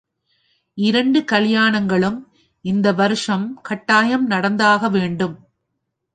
இரண்டு கலியாணங்களும் இந்த வருஷம் கட்டாயம் நடந்தாக வேண்டும்.